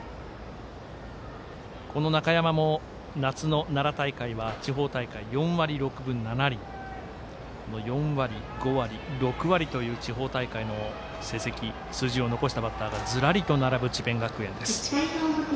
中山も夏の奈良大会は地方大会４割６分７厘４割５割６割という地方大会の成績を残したバッターがずらりと並ぶ智弁学園です。